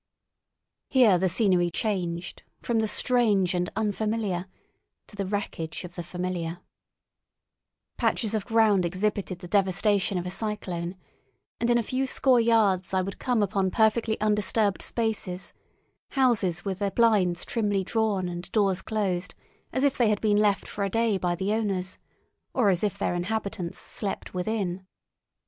Here the scenery changed from the strange and unfamiliar to the wreckage of the familiar: patches of ground exhibited the devastation of a cyclone, and in a few score yards I would come upon perfectly undisturbed spaces, houses with their blinds trimly drawn and doors closed, as if they had been left for a day by the owners, or as if their inhabitants slept within.